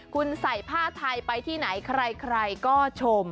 คุณใส่ผ้าไทยไปที่ไหนใครก็ชม